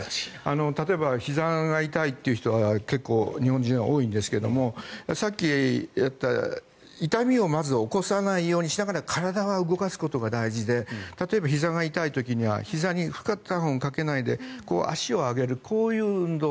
例えばひざが痛いという人は結構、日本人は多いんですがさっきやった痛みをまず起こさないようにしながら体は動かすことが大事で例えば、ひざが痛い時にはひざに負荷をかけないで足を上げるこういう運動。